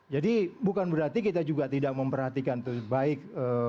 jadi bukan berarti kita juga tidak memperhatikan itu baik